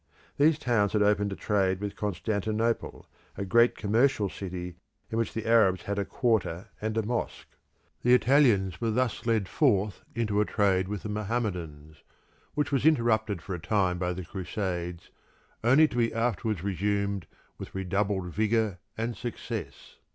These towns had opened a trade with Constantinople, a great commercial city in which the Arabs had a quarter and a mosque. The Italians were thus led forth into a trade with the Mohammedans, which was interrupted for a time by the Crusades only to be afterwards resumed with redoubled vigour and success.